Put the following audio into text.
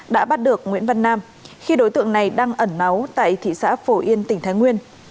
đã bắt được nguyễn văn nam khi đối tượng này đang ẩn náu tại thị xã phổ yên tỉnh thái nguyên